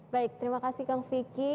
baik terima kasih kang vicky